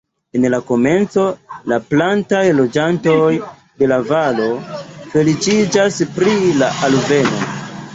En la komenco, la plantaj loĝantoj de la valo feliĉiĝas pri la alveno.